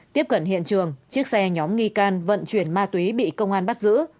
tiếp cận hiện trường chiếc xe nhóm nghi can vận chuyển ma túy bị công an bắt giữ